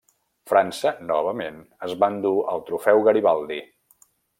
França, novament, es va endur el Trofeu Garibaldi.